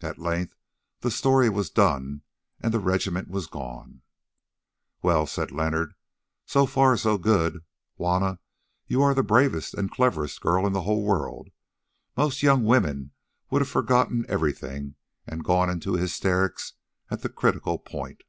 At length the story was done and the regiment was gone. "Well," said Leonard, "so far so good. Juanna, you are the bravest and cleverest girl in the whole world. Most young women would have forgotten everything and gone into hysterics at the critical point."